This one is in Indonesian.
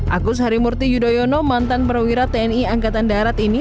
agus harimurti yudhoyono mantan perwira tni angkatan darat ini